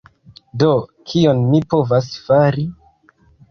Do, kion mi povas fari?